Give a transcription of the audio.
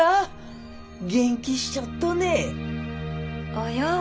およ。